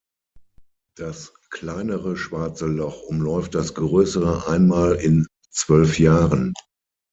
Das kleinere Schwarze Loch umläuft das größere einmal in zwölf Jahren.